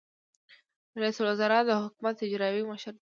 رئیس الوزرا د حکومت اجرائیوي مشر دی